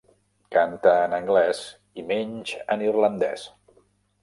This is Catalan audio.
Canta en anglès i, menys, en irlandès.